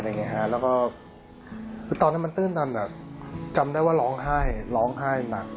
และก็ตอนนั้นมันตื่นตันจำได้ว่าร้องไห้หนัก